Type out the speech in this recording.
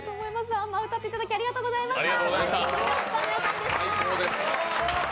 「アンマー」歌っていただきありがとうございました。